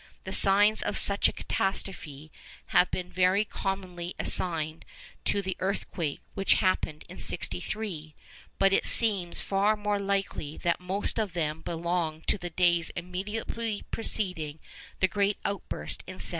The signs of such a catastrophe have been very commonly assigned to the earthquake which happened in 63, but it seems far more likely that most of them belong to the days immediately preceding the great outburst in 79.